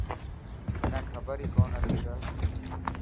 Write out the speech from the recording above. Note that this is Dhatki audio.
منا کبر هي ڪونه هتي ته.